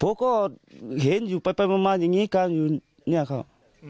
เพราะก็เห็นอยู่ไปอย่างงี้กลางอยู่เนี่ยครับ